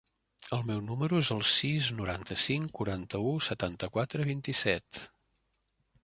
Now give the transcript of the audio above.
El meu número es el sis, noranta-cinc, quaranta-u, setanta-quatre, vint-i-set.